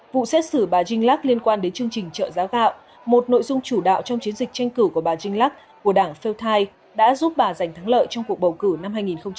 vụ xét xử bà jinglak liên quan đến chương trình chợ giá gạo một nội dung chủ đạo trong chiến dịch tranh cử của bà jinglak của đảng pheo thai đã giúp bà giành thắng lợi trong cuộc bầu cử năm hai nghìn một mươi một